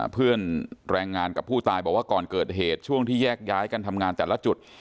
เพื่อนแรงงานกับผู้ตายบอกว่าก่อนเกิดเหตุช่วงที่แยกย้ายกันทำงานแต่ละจุด